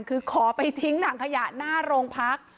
คือขอไปทิ้งถังขยะหน้าโรงพัก